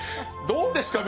どうですか？